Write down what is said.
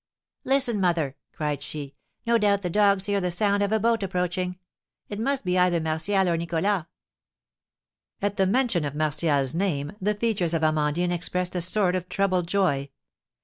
"Listen, mother," cried she; "no doubt the dogs hear the sound of a boat approaching; it must be either Martial or Nicholas." At the mention of Martial's name, the features of Amandine expressed a sort of troubled joy.